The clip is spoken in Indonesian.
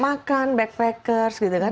makan backpackers gitu kan